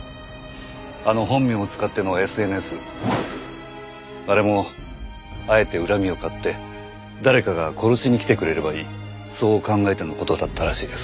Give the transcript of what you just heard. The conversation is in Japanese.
あの本名を使ってのＳＮＳあれもあえて恨みを買って誰かが殺しに来てくれればいいそう考えての事だったらしいです。